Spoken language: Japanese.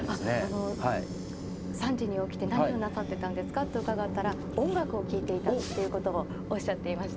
あの「３時に起きて何をなさってたんですか？」と伺ったら音楽を聴いていたということをおっしゃっていました。